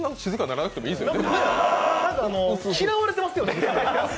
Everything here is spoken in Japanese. なんか嫌われてますよね？